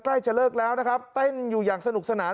ใกล้จะเลิกแล้วนะครับเต้นอยู่อย่างสนุกสนาน